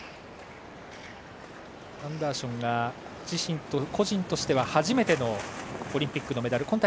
アンダーションが個人としては初めてのオリンピックのメダル。